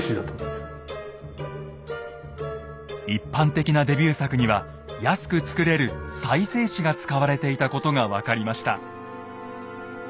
一般的なデビュー作には安く作れる再生紙が使われていたことが分かりました。